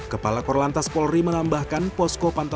kepala kor lantas polri mengambahkan posko pantauan pengamanan lalu lintas